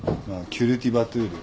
キュルティバトゥール。